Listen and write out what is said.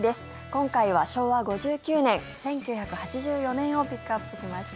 今回は昭和５９年、１９８４年をピックアップしました。